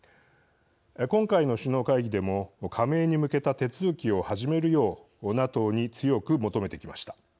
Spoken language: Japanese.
今回の首脳会議でも加盟に向けた手続きを始めるようＮＡＴＯに強く求めてきました。